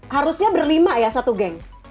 harusnya berlima ya satu geng